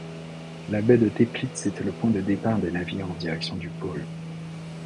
La baie Teplitz était le point de départ des navires en direction du pôle.